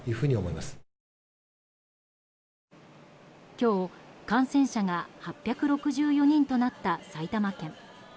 今日、感染者が８６４人となった埼玉県。